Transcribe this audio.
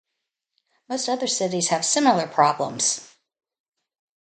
Most other cities have similar problems.